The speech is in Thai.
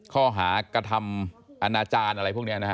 ข้อหากระทำอนาจารย์อะไรพวกนี้นะฮะ